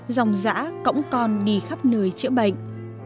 dòng giã cổng con đi khắp nơi chữa bệnh